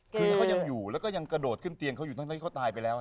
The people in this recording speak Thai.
คือเขายังอยู่แล้วก็ยังกระโดดขึ้นเตียงเขาอยู่ทั้งที่เขาตายไปแล้ว